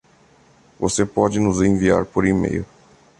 Você pode nos enviar por email.